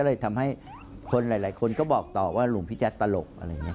มันก็เลยทำให้คนหลายคนก็บอกต่อว่าลวงพี่แจ๊ตตลก